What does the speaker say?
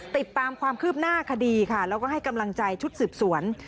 ติดตามความคืบหน้าคดีค่ะแล้วก็ให้กำลังใจชุดสืบสวน